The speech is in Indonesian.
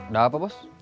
udah apa bos